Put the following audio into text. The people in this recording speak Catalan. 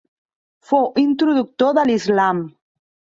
Fou introductor de l'Islam.